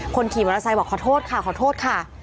คนขี่มอเตอร์ไซค์บอกขอโทษค่ะขอโทษค่ะ